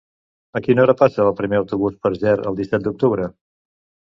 A quina hora passa el primer autobús per Ger el disset d'octubre?